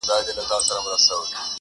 او خالق یې په لاس درکي،